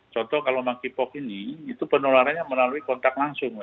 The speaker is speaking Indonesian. contoh kalau monkeypox ini itu penularannya melalui kontak langsung